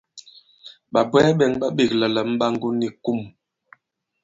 Ɓàbwɛɛ bɛ̄ŋ ɓa ɓēkla la Mɓàŋgò ni Kum.